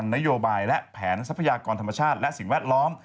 นโยบายและแผนทรัพยากรธรรมชาติและสิ่งแวดล้อม